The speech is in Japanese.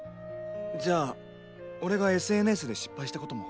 じゃあ俺がＳＮＳで失敗したことも？